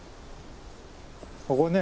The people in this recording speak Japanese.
ここね。